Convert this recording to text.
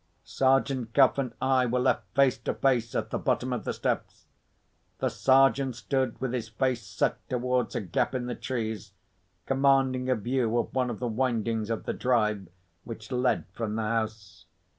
Sergeant Cuff and I were left face to face, at the bottom of the steps. The Sergeant stood with his face set towards a gap in the trees, commanding a view of one of the windings of the drive which led from the house.